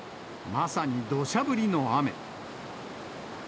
まさにどしゃ降りの雨。